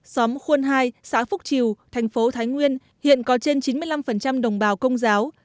xóm khuôn hai xã phúc triều thành phố thái nguyên hiện có trên chín mươi năm đồng bào công giáo